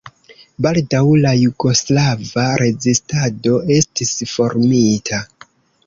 Baldaŭ la jugoslava rezistado estis formita.